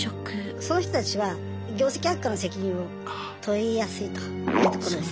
そういう人たちは業績悪化の責任を問いやすいというところです。